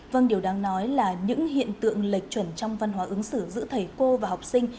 vâng điều đáng nói là những hiện tượng lệch chuẩn trong văn hóa ứng xử giữa thầy cô và học sinh